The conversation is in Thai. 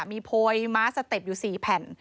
มีโพยม้าสเต็ปอยู่๔แผ่น